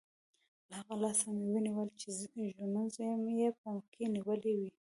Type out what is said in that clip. له هغه لاسه مې ونیول چې ږومنځ یې په کې نیولی وو.